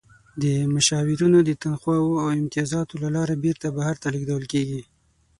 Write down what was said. د مشاورینو د تنخواوو او امتیازاتو له لارې بیرته بهر ته لیږدول کیږي.